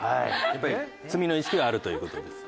やっぱり罪の意識はあるという事です。